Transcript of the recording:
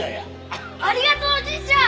ありがとうおじいちゃん！